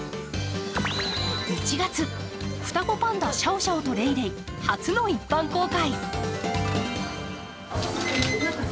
１月、双子パンダシャオシャオとレイレイ初の一般公開。